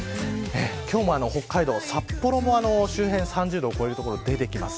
今日も北海道札幌も周辺は３０度を超える所が出てきます。